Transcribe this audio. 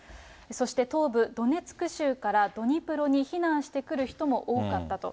そして、東部ドネツク州からドニプロに避難してくる人も多かったと。